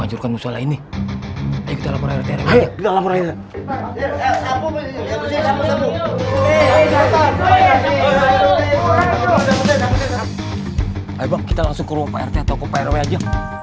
bukan usul ini kita laporan terakhir dalam raya kita langsung ke luar toko prw aja